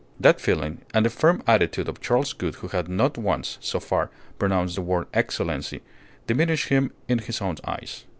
That feeling and the firm attitude of Charles Gould who had not once, so far, pronounced the word "Excellency," diminished him in his own eyes.